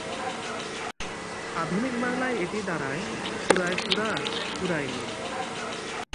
আধুনিক বাংলায় এটি দাঁড়ায় ‘কুড়ায় কুড়া কুড়ায় নিয়ে।